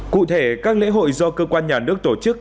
cụ thể các lễ hội do cơ quan nhà nước tổ chức